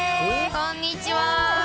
こんにちは。